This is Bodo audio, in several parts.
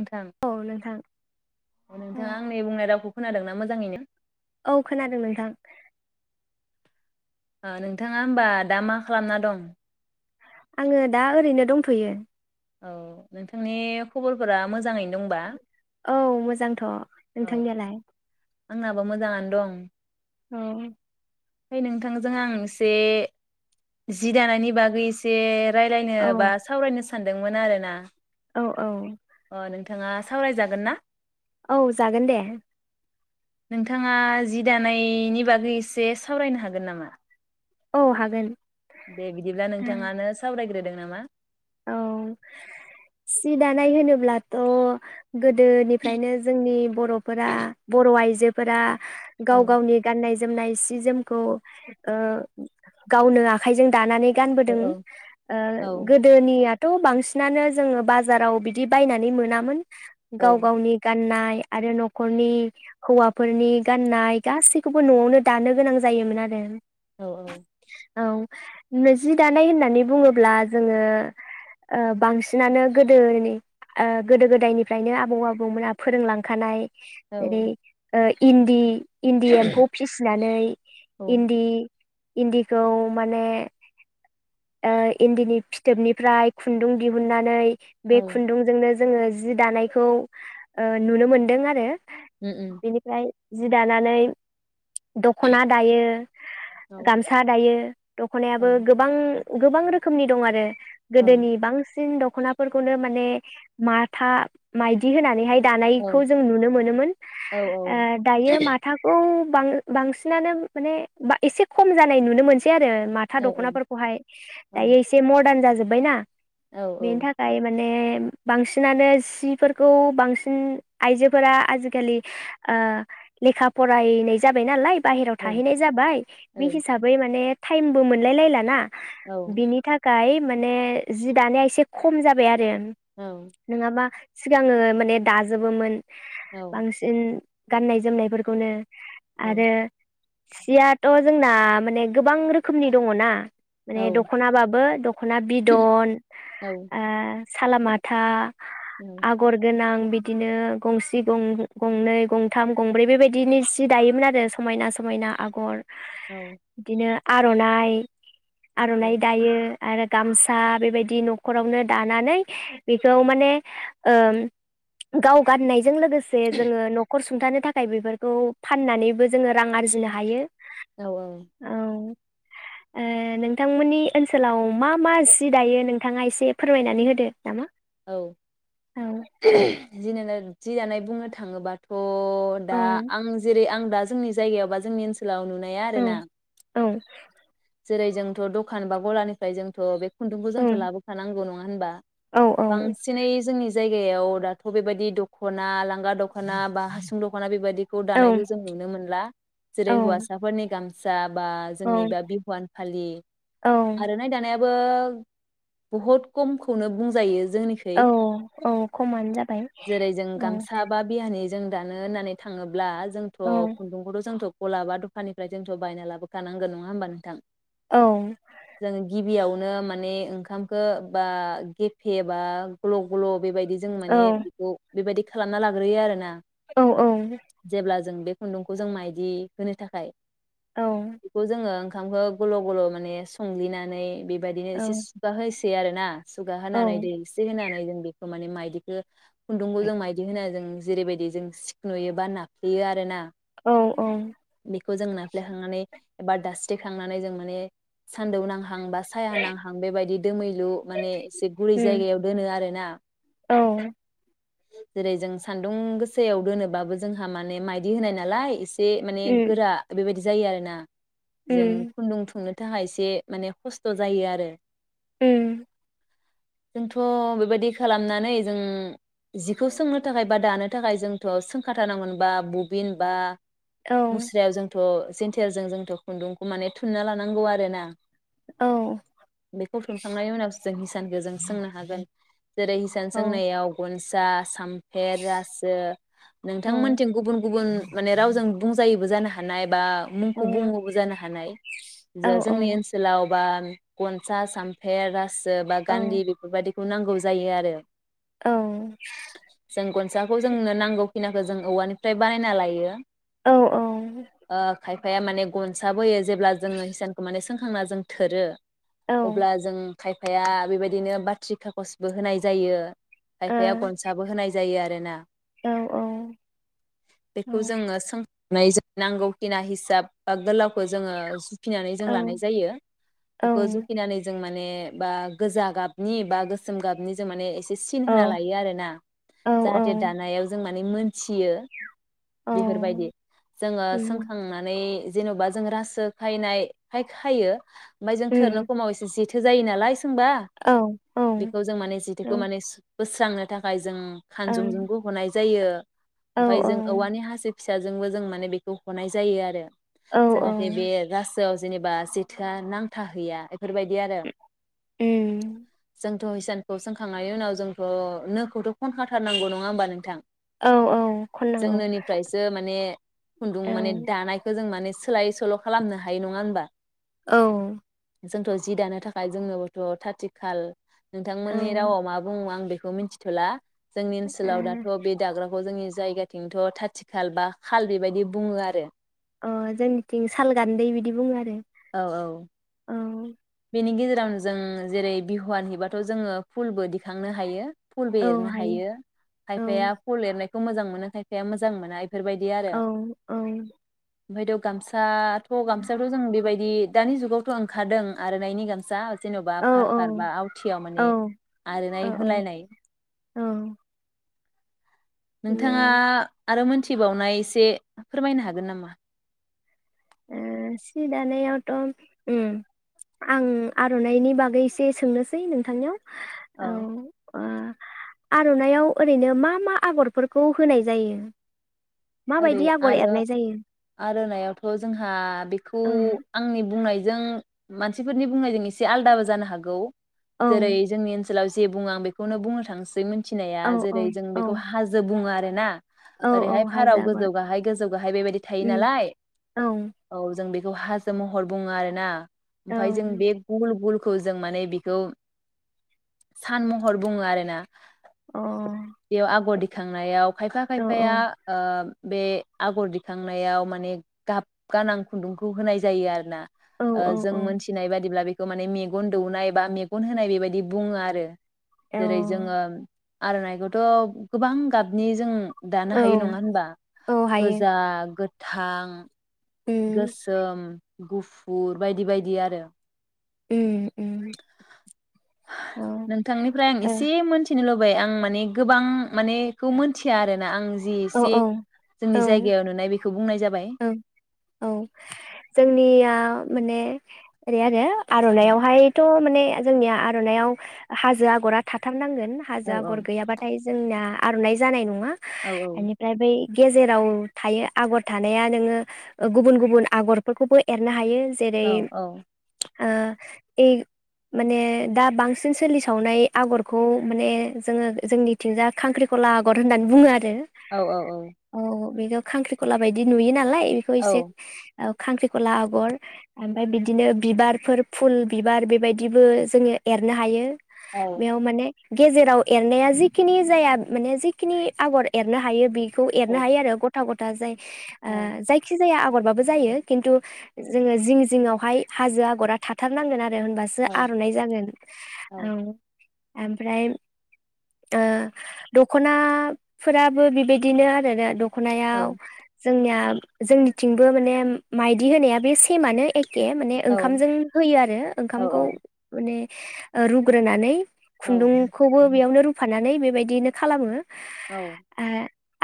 नोंथां औ नोंथां नोंथाङा आंनि बुंनाय रावखौ खोनादोंना मोजाङैनो औ खोनादों नोंथां। ओ नोंथाङा होमबा दा मा खालामना दं? आङो दा ओरैनो दंथ'यो। औ नोंथांनि खबरफोरा मोजाङैनो दंबा औ मोजांथ औ नोंथांनियालाय? आंनाबो मोजाङानो दं। औ। ओमफाय नोंथांजों आं एसे जि दानायनि बागै एसे रायलायनो बा सावरायनो सानदोंमोन आरोना। औ औ। अ नोंथाङा सावरायजागोन ना? औ जागोन दे। नोंथाङा जि दानायनि बागै एसे सावरायनो हागोन नामा? औ हागोन। दे बिदिब्ला नोंथाङानो सावरायग्रो दो नामा? औ सि दानाय होनोब्लाथ' गोदोनिफ्रायनो जोंनि बर'फोरा बर' आइजो फोरा औ गाव गावनि गाननाय जोमनाय सि जोमखौ ओ गावनो आखायजों दा औ गानबोदों औ ओ औ गोदोनिया थ' बांसिनानो जोङो बाजाराव बिदि बायनानै मोनामोन गाव गावनि गाननाय आरो न'खरनि हौवाफोरनि गाननाय गासैखौबो न'आवनो दानो गोनां जायोमोन आरो औ औ औ नो जि दानाय होननानै बुङोब्ला जोङो ओ बांसिनानो गोदोनि ओ गोदो गोदायनिफ्रायनो आबौ आबौमोना फोरोंलांखानाय औ जेरै इन्दि इन्दि एम्फौ फिसिनानै औ इन्दि इन्दिखौ माने ओ इन्दिनि फिथोबनिफ्राय खुन्दुं दिहुननानै बे औ खुन्दुंजोंनो जोङो जि दानायखौ ओ नुनो मोनदों आरो उम उम बेनिफ्राय जि दानानै दखना दायो औ गामसा दायो औ दख'नायाबो गोबां गोबां रोखोमनि दं आरो औ गोदोनि बांसिन दं दखनाफोरखौनो माने माथा मायदि होनानैहाय औ दानायखौ जों नुनो मोनोमोन औ ओ दायो माथाखौ बां बांसिनानो माने एसे खम जानाय नुनो मोनसै आरो माथा औ दखनाफोरखौहाय औ दायो एसे मदार्न जाबायना बेनो औ थाखाय माने माने बांसिनानो सिफोरखौ बांसिन आइजोफोरा आजिखालि ओ लेखा फरायनाय जाबाय नालाय बाहेरायाव थाहैनाय जाबाय बे हिसाबै माने टाइमबो मोनलायलायला ना बिनि थाखाय माने जि दानाया एसे खम जाबाय आरो नङाबा सिगाङो माने दाजोबोमोन बांसिन गाननाय जोमनायफोरखौनो आरो सियाथ' जोंना माने गोबां रोखोमनि दङ ना माने दख'नाबो दख दख'ना बिदन ओ साला माथा आगर गोनां बिदिनो गंसे गंनै गंथाम गंब्रै बेबायदिनो सि दायोमोन आरो समायना समायना आगर बिदिनो आर'नाइ आर'नाइ दायो आरो गामसा बेबायदि न'खरावनो दानानै बेखौ माने ओ गाव गाननाय जों लोगोसे जोङो नखर सं खुंथानो थाखाय बेफोरखौ फाननानैबो जोङो रां आरजिनो हायो औ औ ओ नोंथांमोननि ओनसोलाव मा मा जि दायो नोंथाङा एसे फोरमायनानै होदो नामा औ औ [unintelligible] बुंनो थाङोबाथ' औ दा आं जेरै आं दा जोंनि जायगायाव बा जोंनि ओनसो लाव नुनाया औ आरो ना औ जेरै जोंथ' दखान बा गलानिफ्राय जोंथ' बे खुन्दुंखौ जोंथ' औ लाबोखानांगौ नङा होनबा औ बांसिनै जोंनि जाय गायाव दाथ' बेबायदि दख'ना लांगा दख'ना बा हासुं दख'ना बेबायदि खौ औ दानायखौ जों नुनो मोनला औ जेरै हौवासाफोरनि गाम जा बा औ जोंनिबा बि फालि औ आरनाइ दानाय बहुद खमखौनो बुंजायो जोंनिखै औ औ खमानो जाबाय जेरै जों औ गामसा बा बिहानि जों दानो होननानै थाङोब्ला जोंथ' औ खुन्दुंखौथ' जोंथ' गलाबा दखाननिफ्राय जोंथ' बायना लाबोखानांगोन नङा होमबा नोंथां औ जोङो गिबियावनो नो माने ओंखामखो बा गेफे बा ग्लब ग्लब बेबायदि जों औ माने बेखौ बेबायदि खालामना लाग्रोयो आरो ना औ औ जों बे खुन्दुंखौ जों माइदि होनो थाखाय औ बेखौ जोङो सोंखाङो गल' गल' माने संलिनानै बे बायदिनो एसे सुगाहोसिगोन आरो ना सुगा औ औ उम औ होनानै उम दै एसे होनानै जों बेखौ माने माइदिखौ खुन्दुंखौ जों माइदि होना जों जेरैबायदि जों सिख नुयो बा नाफ्लेयो आरो ना बेखौ जों नाफ्लेखांनानै एबा दास्रिखांनानै जों माने सान्दौ नांहा हां बा सायहा नांहां बेबायदि दोमैलु माने एसे गुरै उम जायगायाव दोनो आरोना औ जेरै जों सान्दुं गोसायाव दोनोबाबो जोंहा माने माइदि होनाय नालाय एसे माने औ गोरा बेबायदि जायो आरोना जों खुन्दुं थोंनो थाखाय एसे माने खस्थ' जायो आरो उम जोंथ' बेबायदि खालामनानै जों जिखौ सोंनो थाखाय बा दानो थाखाय जोंथ' सोंखाथारनांगोन बा बबिन बा औ ओ मुस्रायाव जोंथ' जेन्थेरजों जोंथ' खुन्दुंखौ माने थुनना लानांगौ आरो ना बेखौ सोंखांनायनि उनावसो जों हिसानखौ जों सोंनो हागोन। जेरै हिसान औ सोंनायाव जा साम फेर रासो नोंथांमोनथिं गुबुन गुबुन माने रावजों बुंजायोबो जानो हानाय बा मुंखौ बुङोबो जानो हानाय औ जे जोंनि औ ओनसोलाव बा गनसा सामफेर रासो औ बा औ औ गान्दै बेफोरबायदि नांगौ जायो आरो। औ जों गनसाखौ जोंनो नांगौ खिनिखौ जों औवानिफ्राय बानायना लायो। औ औ ओ खायफाया माने गनसाबोयो। जेब्ला जोङो हिसानखौ माने सोंखांना जों थोरो अब्ला जों खायफाया बेबायदिनो बाथ्रि खागसबो होनाय जायो। खायफाया गनसाबो होनाय जायो आरोना उम उम बेखौ जोङो सों नाय नांगौखिना हिसाब बा गोलावखौ जोङो जुखिनानै औ जों लानाय जायो। बेखौ जुखिनानै जों मा ने बा गोजा गाबनि बा गोसोम गाबनि जों माने एसे थिन होना लायो आरोना जाहाथे दानायाव जोंना माने मोनथियो। बेफोरबायदि जोङो सोंखांनानै जेनबा जों रासो खायनाय खाय खायो। ओमफ्राय जों थोरनो समाव एसे जि थो जायो नालाय। सोंबा औ बेखौ जों माने औ जिथोखौ माने बोस्रांनो थाखाय जों ओं खानजुंजोंबो हनाय जायो। औ ओमफ्राय जों औवानि हासिब फिसाजोंबो जों माने बेखौ हनाय जायो आरो। औ जाहाथे बे औ रा सुआव जेनेबा जेथोआ नांथाहैया बेफोरबायदि आरो उम जों जोंथ' हिसानखौ सोंखांनायनि उनाव जों थ' नोखौथ' खनखा थारनांगौ नङा होमबा नोंथां? औ औ खननांगौ जोंनोनिफ्रायसो माने खुनदुं माने दानायखौ जों माने सोलाय सोल' खालामनो हायो नङा होनबा? औ। जोंथ' जि दानो थाखाय जोंनोबोथ' थाथिखाल औ नोंथांमोननि राव मा बुङो आं बेखौ मिनथिथ'ला जोंनि ओनसोलाव दाथ' बे दाग्रा जोंनि जायगाथिंथ' थाथि खाल बा खाल बेबायदि बुङो आरो। अ जोंनिथिं साल गान्दै बिदि बुङो आरो। औ औ। औ बेनि गेजेरावनो जों जेरै बिहुवान हैबाथ' जोङो फुलबो दिखांनो हायो। फुलबो एरनो हायो औ खायफाया फुल एरनाय मोजां मोनो खायफाया मोजां मोनो। औ औ। ओमफ्रायथ' गामसा थ' गामसायावथ' जों बेबायदि दानि जुगावथ' ओंखारदों आर'नाइनि गामसा जेन'बा औ फार फार बा आवथियाव औ माने औ आर'नाइ औ होलायनाय औ। बियो नोंथाङा आरो मोनथिबावनाय एसे फोरमायनो हागोन नामा? ओ सि दानायावथ' उम आं आर'नाइनि बागै एसे सोंनोसै नोंथांनियाव औ। आर'नाइआव ओरैनो मा मा आगरफोरखौ होनाय जायो। ओरै माबायदि आगर आरो एरनाय जायो आरानावथ' जोंहा बेखौ औ आंनि बुंनायजों मानसिफोरनि बुंनायजों एसे आलदाबो जानो हागौ। जेरै औ जोंनि ओनसोलाव जे बुङो बेखौनो बुंनो थांसै नाया औ औ जेरै जों बेखौ औ हाजो बुङो आरो ना औ ओरै औ हाय हाजो भाराव आगर गोजौ गाहाय गोजौ गाहाय बेबायदि थायो उम नालाय औ औ जों बे बेखौ हाजो महर बुङो आरो ना औ ओमफ्राय जों बे गुल गुल खौ जों माने बेखौ सान महर बुङो आरोना अ बेयाव आगर दिखांनायाव खायफा खायफाया ओ बे आगर दिखांनायाव माने गाब गोनां खुन्दुंखौ होनाय जायो आरो ना औ ओ औ जों मोनथिनाय बादिब्ला बे माने मेगन दौनाय बा मेगन होनाय बेबायदि बुङो आरो औ जेरै जोङो [unintelligible] थ' गोबां गाबनि जों दानो हायो औ नङा होनबा औ हायो गोजा गो थां उम गोसोम गुफुर बायदि बायदि आरो उम उम औ ओ नोंथांनिफ्राय आं एसे मोनथिनो लुबै होबाय आं माने गोबां माने एखौ मिथिया आरो आं जि एसे औ जोंनि औ जायगायाव नुनाय बेखौ बुंनाय जाब दाबाइ औ औ जोंनिया माने ओरै आरो आर'नाइावहायथ' माने जोंनिया आर'नायाव हाजो आगरा थाथारनांगोन औ हाजो आगर गैयाबाथाय जोंनिया आर'नाइ जानाय नङा औ एनिफ्राय बै गेजेराव थायो आगर थानाया नोङो गुबुन गुबुन आगरफोरखौबो एरनो हायो जेरै औ औ ओ माने दा बांसिन सोलिसावनाय आगरखौ माने जोङो जोंनिथिंजा खांख्रिखला आगर होननानै बुङो आरो। औ औ। बेखौ खांख्रि खला बायदि नुयो नालाय। इखौ औ एसे खांख्रिखला आगर ओमफाय बिदिनो बिबारफोर फुल बिबार बेबायदिबो जोङो एरनो हायो। बेयाव माने गेजेराव एरनाया जिखिनि जाया माने जिखिनि आगर एरनो हायो बे खौ एरनो औ हायो आरो गथ' दा जाय औ आ जायखि जाया आगरबाबो जायो खिन्थु जोङो जिं जिंआवहाय हाजो आगरा थाथारनांगोन आरो। होनबासो औ आर'नाय जागोन औ। ओमफ्राय ओ दख'नाफोराबो बेबायदिनो आरोना दख'नायाव जोंनिया जोंनिथिंबो माने माइदि होनाया बे सेमानो एखे एके माने औ ओंखामजों होयो आरो औ ओंखामखौ माने ओ रुग्रोनानै खुन्दुंखौबो बेयावनो रुफा नानै बेबायदिनो खालामो। औ। आ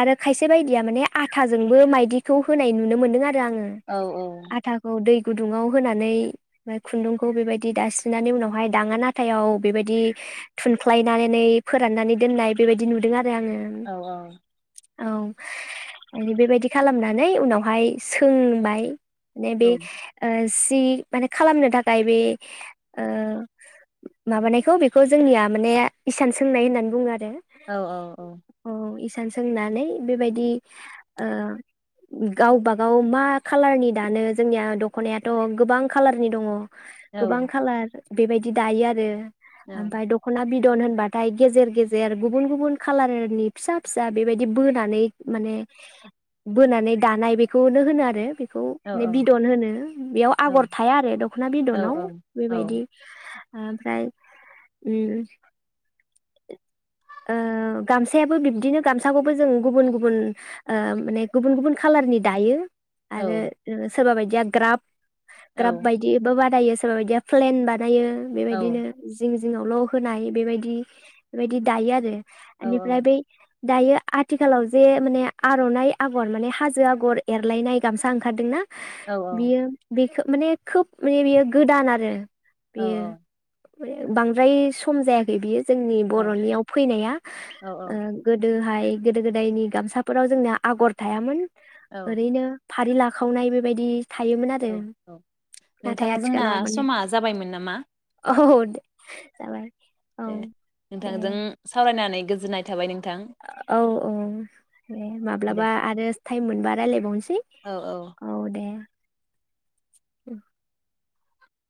आरो खायसे बायदिया माने आथाजोंबो मायदिखौ होनाय नुनो मोन्दों आरो। आङो औ आथाखौ दै गुदुङाव होनानै ओमफ्राय खुन्दुंखौ बेबायदि दास्रिनानै उनावहाय दाङा नाथायाव बेबायदि थुनख्लायनानै फोराननानै दोननाय बेबायदि नुदों आरो। [unintelligible] औ। माने बेबायदि खालामनानै उनावहाय सोंबाय माने बे ओ सि माने खालामनो थाखाय बे माबानायखौ बेखौ जोंनिया माने इसान सोंनाय होननानै बुङो आरो औ औ औ। औ इसान सोंनानै बेबायदि गावबागाव मा खालारनि दानो जोंनिया दख'नायाथ' गोबां खाालारनि दङ। गोबां खालार बेबायदि दायो आरो आमफाय दख'ना बि दन होनबाथाय गेजेर गेजेर गुबुन गुबुन खालारनि फिसा फिसा बेबायदि बोनानै माने बोनानै दानाय बेखौनो होनो आरो बे खौ बे बिदन होनो बेयाव आगर थाया आरो दख'ना औ बिदनाव औ बेबायदि औ आमफ्राय उम ओ गामसायाबो बिब्दिनो गामसाखौबो जों गुबुन गुबुन ओ माने गुबुन गुबुन खालारनि दायो आरो ओस सोरबा बायदिया ग्राफ ग्राफ बायदिबो बाद दायो सोरबा बायदिया प्लेन बाद नायो बेबायदिनों जिं जि जिङावल' होनाय बेबायदि बेबायदि दायो आरो। एनिफ्राय बै दायो आथिखालाव जे माने आर'नाइ आगर माने हाजो आगर एरलायनाय गामसा ओंखारदों ना बियो बिखो माने खोब माने बियो गोदान आरो। औ औ। माने बांद्राय सम जायाखै बियो। जोंनि बर'नियाव फैनाया ओ गोदो फाय गोदो गोदायनि गामसा फोराव जोंना आगर थायामोन ओरैनो फारि लाखावनाय बेबायदि थायोमोन आरो औ औ नाथाय नोंथां जोंना आथिखालाव माने समा जाबायमोन नामा। औ जाबाय औ दे दे नोंथांजों सावरायनानै गोजोननाय थाबाय नों औ औ दे दे। माब्लाबा आरो ताइम मोनबा रायलायबावनस ओइ औ दे। उम।